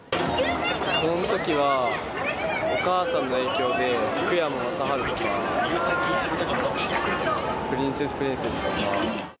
そのときはお母さんの影響で、福山雅治とか、プリンセスプリンセスとか。